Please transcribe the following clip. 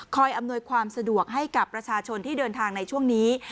อำนวยความสะดวกให้กับประชาชนที่เดินทางในช่วงนี้